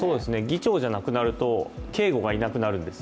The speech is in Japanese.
議長じゃなくなると警護がいなくなるんです。